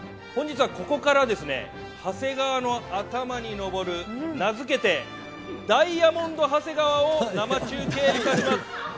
本日はここから、長谷川の頭に昇る、名付けて、ダイヤモンド長谷川を生中継いたします。